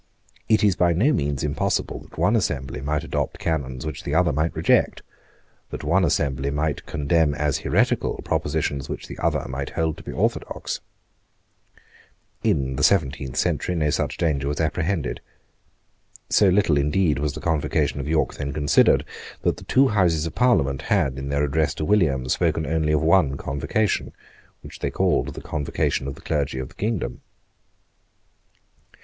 It is by no means impossible that one assembly might adopt canons which the other might reject, that one assembly might condemn as heretical propositions which the other might hold to be orthodox, In the seventeenth century no such danger was apprehended. So little indeed was the Convocation of York then considered, that the two Houses of Parliament had, in their address to William, spoken only of one Convocation, which they called the Convocation of the Clergy of the Kingdom.